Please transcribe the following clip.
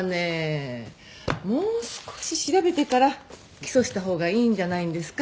もう少し調べてから起訴したほうがいいんじゃないんですか？